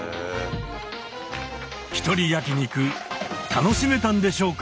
ひとり焼き肉楽しめたんでしょうか？